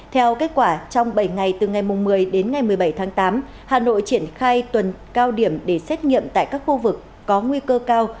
theo kết quả trong bảy ngày từ ngày một mươi đến ngày một mươi bảy tháng tám hà nội triển khai tuần cao điểm để xét nghiệm tại các khu vực có nguy cơ cao